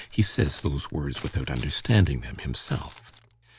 _' He says those words without understanding them himself."